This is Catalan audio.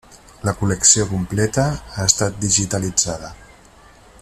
La col·lecció completa ha estat digitalitzada.